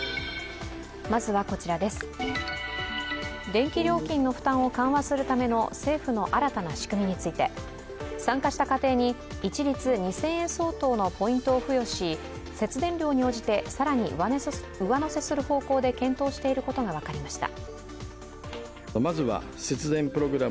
電気料金の負担を緩和するための政府の新たな仕組みについて参加した家庭に一律２０００円相当のポイントを付与し、節電量に応じて更に上乗せする方向で検討していることが分かりました。